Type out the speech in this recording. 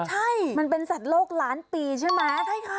ใช่มันเป็นสัตว์โลกล้านปีใช่ไหมใช่ค่ะ